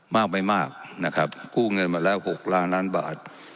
ไม่มากนะครับกู้เงินมาแล้ว๖ล้านล้านบาท